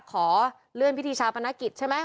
ขอเลื่อนพิธีชาปนกิจใช่ไหม